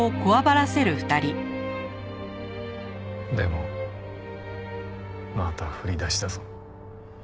でもまた振り出しだぞ。